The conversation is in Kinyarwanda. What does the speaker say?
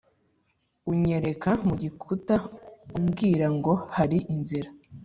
unyereka mu gikuta umbwira ngo hari inzira